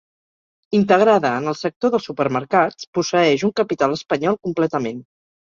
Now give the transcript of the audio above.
Integrada en el sector dels supermercats, posseeix un capital espanyol completament.